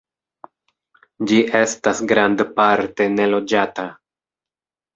Ĝi estas grandparte neloĝata.